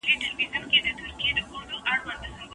ده ده سقراط لوڼې، سمې فلسفې سترگې